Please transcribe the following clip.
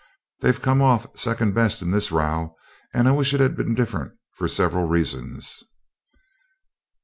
They've come off second best in this row, and I wish it had been different, for several reasons.'